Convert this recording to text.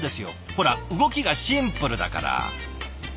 ほら動きがシンプルだから。